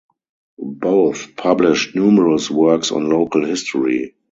Both published numerous works on local history.